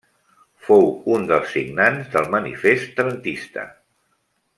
Fou un dels signants del Manifest Trentista.